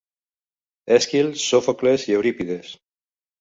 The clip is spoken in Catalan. Èsquil, Sòfocles i Eurípides.